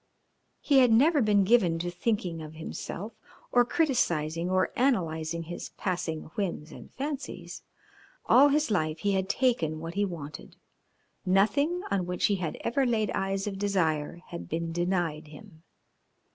He had never been given to thinking of himself, or criticising or analysing his passing whims and fancies. All his life he had taken what he wanted; nothing on which he had ever laid eyes of desire had been denied him.